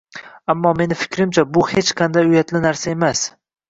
Ammo meni fikrimcha bu hech qanday uyatli narsa emas.